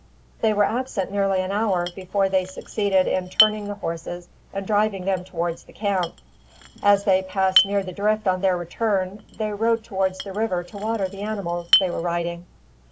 They were absent nearly an hour before they succeeded in turning the horses and driving them towards the camp. As they passed near the drift on their return, they rode towards the river to water the animals they were riding.